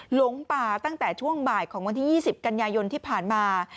หลงป่าตั้งแต่ช่วงบ่ายของวันที่๒๐กันยายนที่ผ่านมา